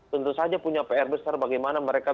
tentu saja punya pr besar bagaimana mereka